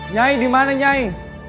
nyai dimana nyai